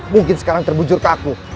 mungkin sekarang terbujur ke aku